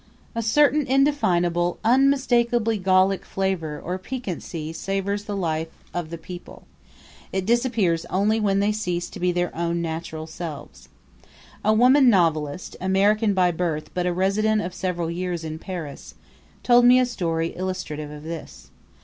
A certain indefinable, unmistakably Gallic flavor or piquancy savors the life of the people; it disappears only when they cease to be their own natural selves. A woman novelist, American by birth, but a resident of several years in Paris, told me a story illustrative of this.